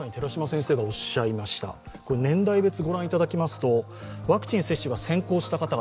年代別御覧いただきますとワクチン接種が先行した方々